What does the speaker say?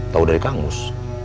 tau dari kamus